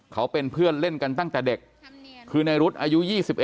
เขาเป็นเพื่อนเล่นกันตั้งแต่เด็กคือในรุ๊ดอายุ๒๑